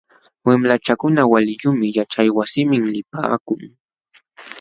Wamlachakuna waliyuqmi yaćhaywasiman lipaakun.